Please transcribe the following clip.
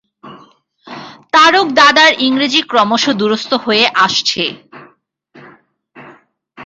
তারকদাদার ইংরেজী ক্রমশ দুরস্ত হয়ে আসছে।